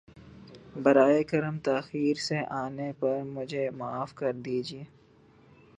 براہ کرم تاخیر سے آنے پر مجھے معاف کر دیجۓ